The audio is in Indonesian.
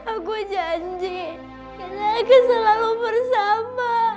aku janji kita akan selalu bersama